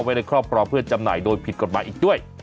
ในครอบครองเพื่อจำหน่ายโดยผิดกฎหมายอีกด้วย